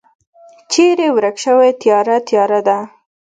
چیری ورک شوی تیاره، تیاره ده